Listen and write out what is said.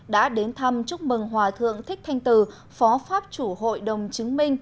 đã đến thăm chúc mừng hòa thượng thích thanh từ phó pháp chủ hội đồng chứng minh